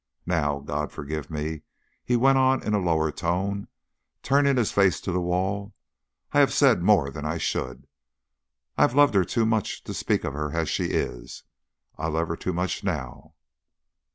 Now, God forgive me!" he went on in a lower tone, turning his face to the wall; "I have said more than I should. I have loved her too much to speak of her as she is. I love her too much now."